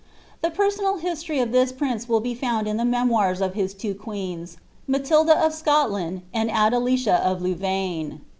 The personal history of this prince will be found in the memoirs of his two queens, 3Iatilda of Scotland and Adelicia of Louvaine.